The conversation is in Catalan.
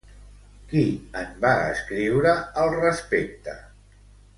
Qui en va escriure al respecte?